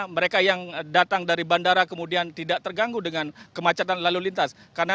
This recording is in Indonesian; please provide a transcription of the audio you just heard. mereka yang datang dari bandara kemudian tidak terganggu dengan kemacetan lalu lintas karena